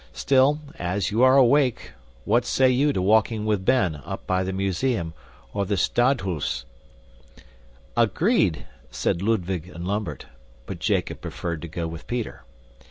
Still, as you are awake, what say you to walking with Ben up by the Museum or the Stadhuis?" "Agreed," said Ludwig and Lambert, but Jacob preferred to go with Peter.